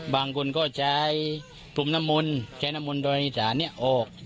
บางคนก็ใช้พรุ่มน้ำมนต์ใช้น้ำมนต์ดอยดาเนี่ยออก